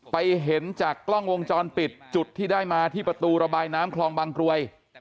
ไปเห็นจากกล้องวงจรปิดจุดที่ได้มาที่ประตูระบายน้ำคลองบางกรวย